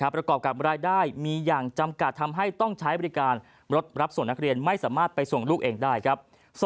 ประกอบกับรายได้มีอย่างจำกัดทำให้ต้องใช้บริการรถรับส่งนักเรียนไม่สามารถไปส่งลูกเองได้ครับ